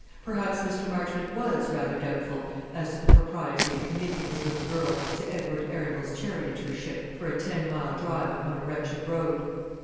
Perhaps Mr. Marchmont was rather doubtful as to the propriety of committing his little girl to Edward Arundel's charioteership for a ten mile drive upon a wretched road.